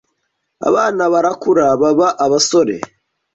Abana barakura baba abasore